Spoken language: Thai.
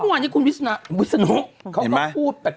ก็เพราะวันนี้คุณวิสนุกรรมเขาก็พูดแปลก